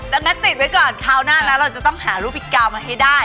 เฮ้แม้ติดไว้ก่อนเขานะเราต้องหารูปิกกาวมาให้ได้